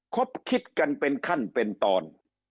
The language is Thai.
คบคิดกันเป็นขั้นเป็นตอน